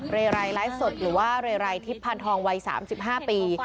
เรรัยไลท์สดหรือว่าเรรัยไทฟพันธองวัย๓๕ปี